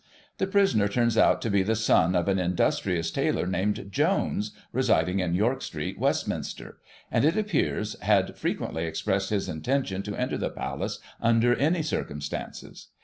The prisoner turns out to be the son of an industrious tailor, named Jones, residing in York Street, Westminster; and, it appears, had frequently expressed his intention to enter the Palace, under any circumstances.